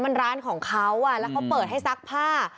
มันร้านของเขาแล้วเขาเปิดให้ซักผ้า